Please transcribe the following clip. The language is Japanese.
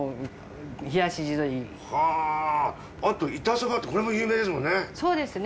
あと板そばってこれも有名ですもんね。